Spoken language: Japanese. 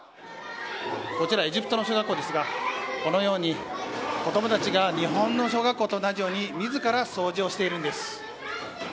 こちら、エジプトの小学校ですが、このように、子どもたちが日本の小学校と同じように、みずから掃除をしているんです。